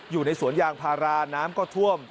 อยู่ในสวนยางพาราน้ำก็ท่วม